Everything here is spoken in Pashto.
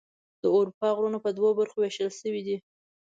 د اروپا غرونه په دوه برخو ویشل شوي دي.